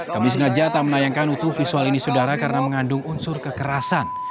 kami sengaja tak menayangkan utuh visual ini saudara karena mengandung unsur kekerasan